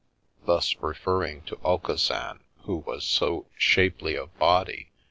" thus referring to Aucassin who was so " shapely of body .